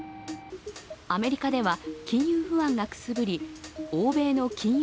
アメリカでは金融不安がくすぶり、欧米の金融